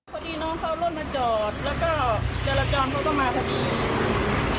พอดีน้องเขาเอารถมาจอดแล้วก็จรจรเขาก็มาพอดี